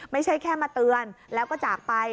ไม่ใช่แค่มาเตือนแล้วก็จากไป